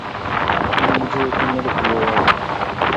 তুমি নিজেই ওকে মেরে ফেলবে বাবা।